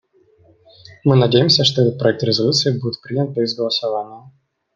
Мы надеемся, что этот проект резолюции будет принят без голосования.